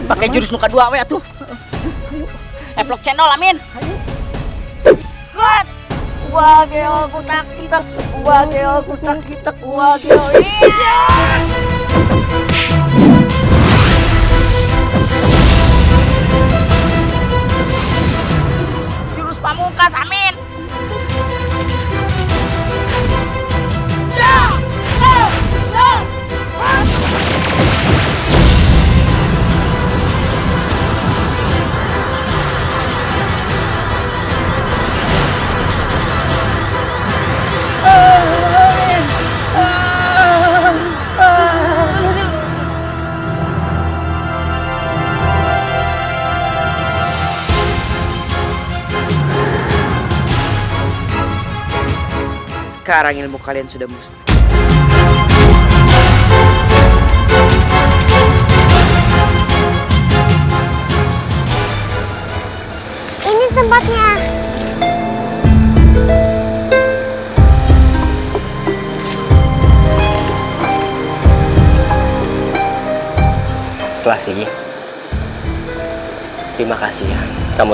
aku tidak akan bisa mengembalikanmu